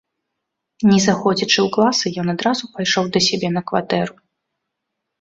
Не заходзячы ў класы, ён адразу пайшоў да сябе на кватэру.